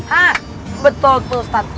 hah betul tuh ustaz